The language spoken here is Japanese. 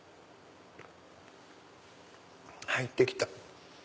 入って来た。